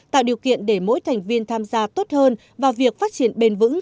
tạo điều kiện để mỗi thành viên tham gia tốt hơn vào việc phát triển bền vững